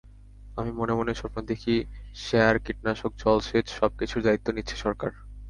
আমি মনে মনে স্বপ্ন দেখি, সার, কীটনাশক, জলসেচ সবকিছুর দায়িত্ব নিচ্ছে সরকার।